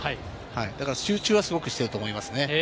だから集中はすごくしていると思います。